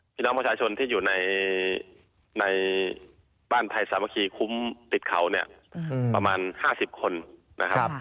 พี่น้องประชาชนที่อยู่ในบ้านไทยสามัคคีคุ้มติดเขาเนี่ยประมาณ๕๐คนนะครับ